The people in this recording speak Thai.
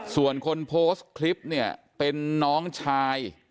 ส่วนคนโพสต์คลิปเนี่ยเป็นน้องชาย